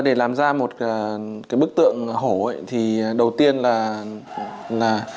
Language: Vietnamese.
để làm ra một bức tượng hổ thì đầu tiên là